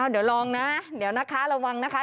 เดี๋ยวลองนะเดี๋ยวนะคะระวังนะคะ